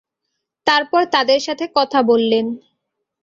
তারপর তাদের সাথে কথা বললেন।